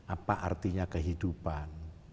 apa artinya kehidupan